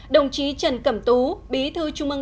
đồng chí trần cẩm tú bí thư trung ương